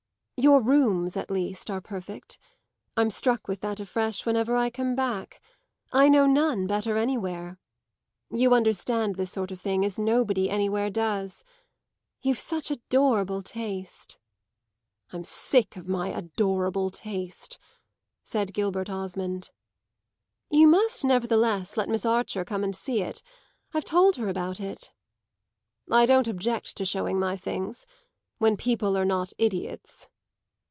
"Your rooms at least are perfect. I'm struck with that afresh whenever I come back; I know none better anywhere. You understand this sort of thing as nobody anywhere does. You've such adorable taste." "I'm sick of my adorable taste," said Gilbert Osmond. "You must nevertheless let Miss Archer come and see it. I've told her about it." "I don't object to showing my things when people are not idiots."